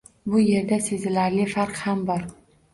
Bu yerda sezilarli farq ham bor.